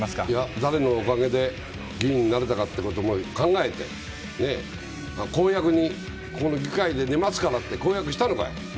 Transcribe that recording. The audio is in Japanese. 誰のおかげで議員になれたかってことを考えて公約にこの議会で寝ますからって公約したのかい。